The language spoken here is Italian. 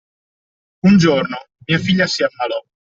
Un giorno, mia figlia si ammalò.